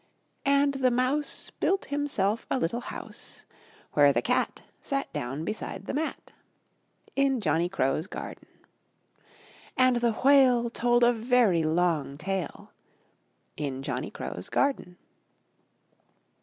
And the Mouse Built himself a little House Where the Cat Sat down beside the Mat In Johnny Crow's Garden. And the Whale Told a very long Tale In Johnny Crow's Garden.